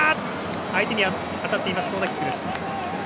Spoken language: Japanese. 相手に当たってコーナーキック。